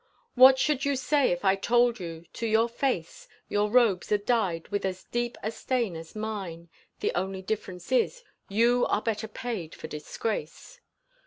What should you say if I told you to your face Your robes are dyed with as deep a stain as mine, The only difference is you are better paid for disgrace.